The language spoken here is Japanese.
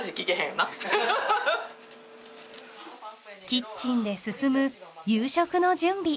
キッチンで進む夕食の準備。